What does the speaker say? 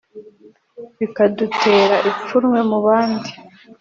bikadutera ipfunwe mu bandi